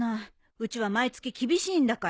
うちは毎月厳しいんだから。